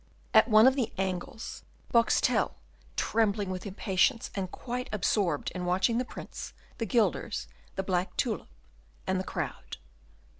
At one of the angles, Boxtel, trembling with impatience, and quite absorbed in watching the Prince, the guilders, the black tulip, and the crowd.